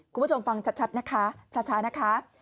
คุณผู้ชมฟังชัดนะคะช้านะคะ